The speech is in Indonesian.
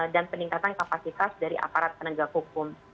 dan peningkatan kapasitas dari aparat penegak hukum